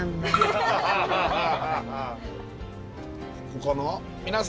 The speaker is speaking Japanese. ここかな。